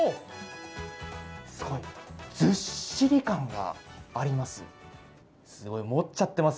ずっしり感があります。